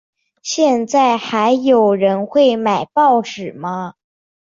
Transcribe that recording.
现在还有人会买报纸吗？